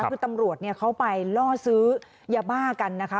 คือตำรวจเขาไปล่อซื้อยาบ้ากันนะคะ